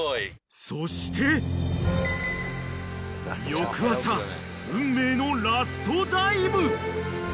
［翌朝運命のラストダイブ］